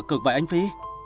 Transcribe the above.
cực vậy anh phi